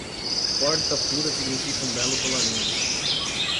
Porta pura significa um belo colarinho.